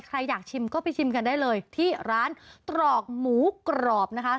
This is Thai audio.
ใครอยากชิมก็ไปชิมกันได้เลยที่ร้านตรอกหมูกรอบนะคะ